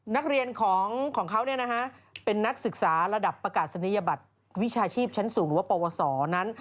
นักเรียนของเขาเป็นนักศึกษาระดับประกาศนียบัตรวิชาชีพชั้นสูงหรือว่าปวสนั้น